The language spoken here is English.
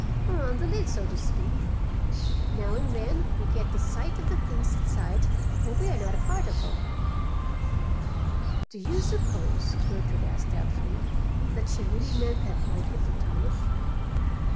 We're on the lid, so to speak. Now and then we get a sight of the things inside, but we are not a part of them." "Do you suppose," Gertrude asked doubtfully, "that she really meant that blanket for Thomas?"